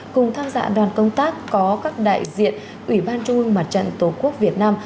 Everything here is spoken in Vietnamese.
cùng tham gia đoàn công tác có các đại diện ủy ban trung ương mặt trận tổ quốc việt nam